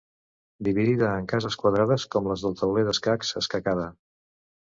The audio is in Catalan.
Dividida en cases quadrades com les del tauler d'escacs, escacada.